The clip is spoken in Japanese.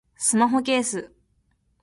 スマホケース